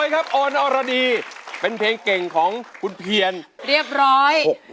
๖๐๐๐๐บาทครับเป็นเพลงเก่งของคุณเพียนเรียบร้อย